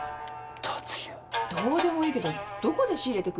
どうでもいいけどどこで仕入れてくんの？